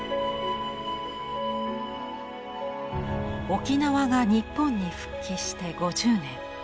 沖縄が日本に復帰して５０年。